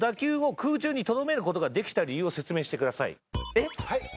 えっ？